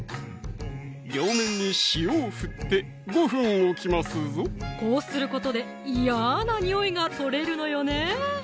両面に塩を振って５分おきますぞこうすることで嫌なにおいが取れるのよね